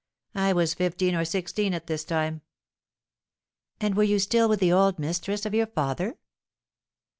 I was fifteen or sixteen at this time." "And were you still with the old mistress of your father?"